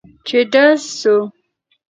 چې ډز سو.